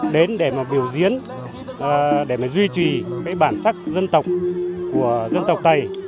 đến để mà biểu diễn để mà duy trì cái bản sắc dân tộc của dân tộc tây